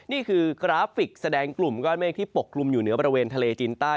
นี่คือกราฟิกแสดงกลุ่มก้อนเมฆที่ปกกลุ่มอยู่เหนือบริเวณทะเลจีนใต้